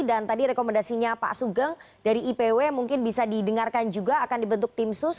dan tadi rekomendasinya pak sugeng dari ipw mungkin bisa didengarkan juga akan dibentuk tim sus